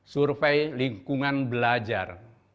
survei lingkungan belajar